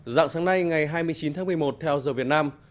dạng sáng nay ngày hai mươi chín tháng một mươi một theo giờ việt nam